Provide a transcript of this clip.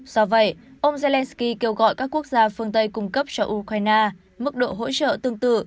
do vậy ông zelensky kêu gọi các quốc gia phương tây cung cấp cho ukraine mức độ hỗ trợ tương tự